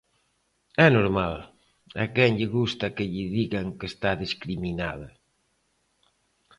É normal, a quen lle gusta que lle digan que está discriminada?